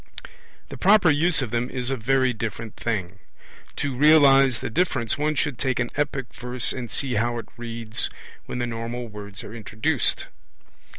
The proper use of them is a very different thing. To realize the difference one should take an epic verse and see how it reads when the normal words are introduced.